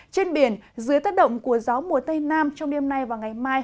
trên biển dưới tất động của gió mùa tây nam trong đêm nay và ngày mai